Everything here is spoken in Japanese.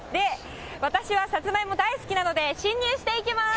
私はさつまいも大好きなので、進入していきます！